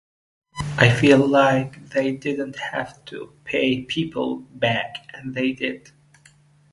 I feel like they didn't have to pay people back and they did.